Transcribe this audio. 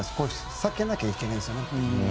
避けなきゃいけないですね。